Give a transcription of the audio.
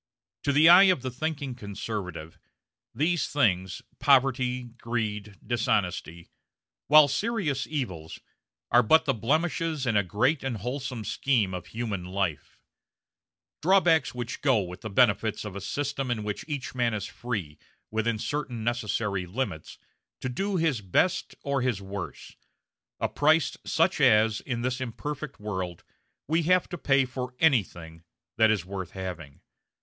To the eye of the thinking conservative, these things poverty, greed, dishonesty while serious evils, are but the blemishes in a great and wholesome scheme of human life; drawbacks which go with the benefits of a system in which each man is free, within certain necessary limits, to do his best or his worst; a price such as, in this imperfect world, we have to pay for anything that is worth having.